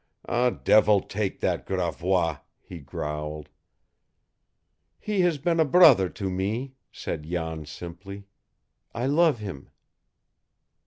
"Devil take that Gravois!" he growled. "He has been a brother to me," said Jan simply. "I love him."